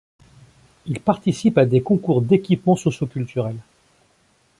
Il participe à des concours d’équipements socio-culturels.